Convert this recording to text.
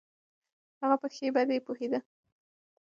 هغه په ښې بدې پوهېده.